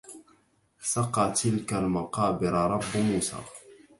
سقى تلك المقابر رب موسى